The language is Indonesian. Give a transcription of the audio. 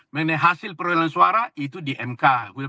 mengenai hasil perolehan suara itu di mk